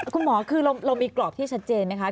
คุณหมอคือเรามีกรอบที่ชัดเจนไหมคะ